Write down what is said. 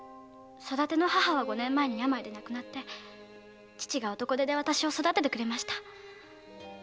育ての母は五年前に病で亡くなり父が男手で育ててくれました。